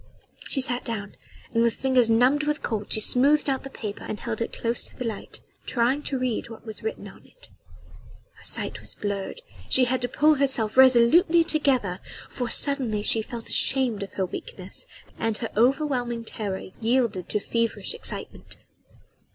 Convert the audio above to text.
She sat down and with fingers numbed with cold she smoothed out the paper and held it close to the light, trying to read what was written on it. Her sight was blurred. She had to pull herself resolutely together, for suddenly she felt ashamed of her weakness and her overwhelming terror yielded to feverish excitement.